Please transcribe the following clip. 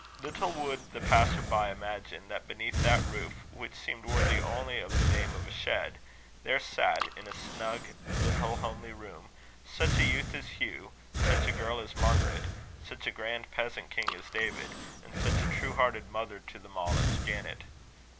Little would the passer by imagine that beneath that roof, which seemed worthy only of the name of a shed, there sat, in a snug little homely room, such a youth as Hugh, such a girl as Margaret, such a grand peasant king as David, and such a true hearted mother to them all as Janet.